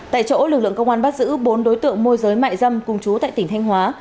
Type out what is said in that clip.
tại chỗ lực lượng công an bắt giữ bốn đối tượng môi giới mại dâm cùng chú tại tỉnh thanh hóa